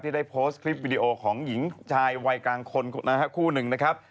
ได้โพสต์คลิปวิดีโอของหญิงชายวัยกลางคนนะฮะคู่หนึ่งนะครับ